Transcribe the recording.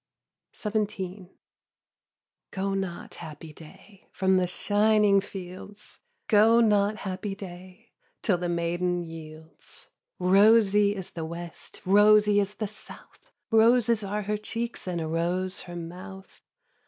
XVII. Go not, happy day, From the shining fields, Go not, happy day. Till the maiden yields. Rosy is the West, Rosy is the South, Roses are her cheeks, And a rose her mouth.